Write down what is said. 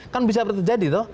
kan bisa seperti itu jadi